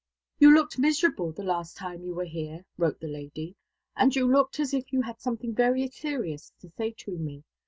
"You looked miserable the last time you were here," wrote the lady, "and you looked as if you had something very serious to say to me.